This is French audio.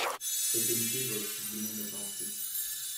Ses qualités doivent sublimer mes pensées.